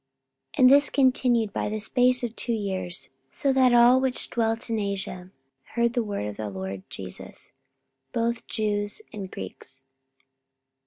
44:019:010 And this continued by the space of two years; so that all they which dwelt in Asia heard the word of the Lord Jesus, both Jews and Greeks.